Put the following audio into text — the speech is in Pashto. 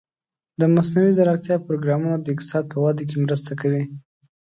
د مصنوعي ځیرکتیا پروګرامونه د اقتصاد په وده کې مرسته کوي.